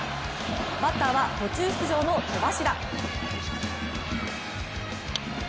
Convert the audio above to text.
バッターは途中出場の戸柱。